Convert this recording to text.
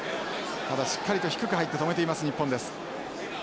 ただしっかりと低く入って止めています日本です。